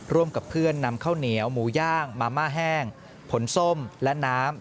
ร่วมกับเพื่อนนำข้าวเหนียวหมูย่างมาม่าแห้งผลส้มและน้ำ